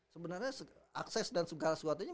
sebenarnya akses dan segala suatunya